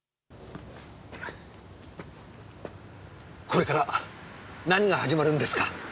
これから何が始まるんですか？